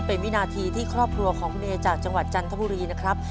เป็นวินาทีที่ครอบครัวของคุณเอจากจังหวัดจันทบุรีนะครับ